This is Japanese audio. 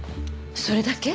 それだけ？